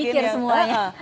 lagi mikir semuanya